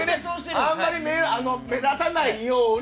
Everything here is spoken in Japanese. あんまり目立たないように。